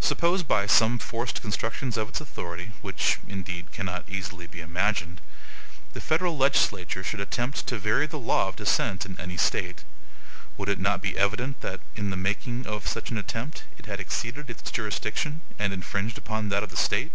Suppose, by some forced constructions of its authority (which, indeed, cannot easily be imagined), the Federal legislature should attempt to vary the law of descent in any State, would it not be evident that, in making such an attempt, it had exceeded its jurisdiction, and infringed upon that of the State?